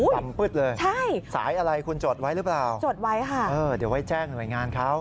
ดำปึ๊ดเลยใช่สายอะไรคุณจดไว้หรือเปล่าจดไว้ค่ะเออเดี๋ยวไว้แจ้งหน่วยงานเขา